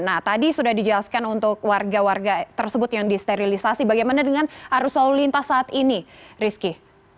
nah tadi sudah dijelaskan untuk warga warga tersebut yang disterilisasi bagaimana dengan arus lalu lintas saat ini rizky